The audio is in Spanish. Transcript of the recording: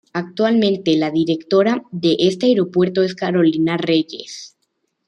Actualmente la directora de este aeropuerto es Carolina Reyes.